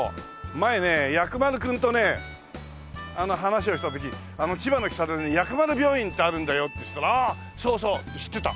前ね薬丸君とね話をした時「千葉の木更津に薬丸病院ってあるんだよ」ってそしたら「ああそうそう」って知ってた。